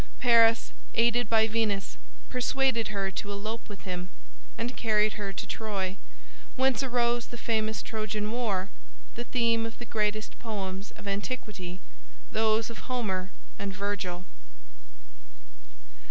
Paris, aided by Venus, persuaded her to elope with him, and carried her to Troy, whence arose the famous Trojan war, the theme of the greatest poems of antiquity, those of Homer and Virgil.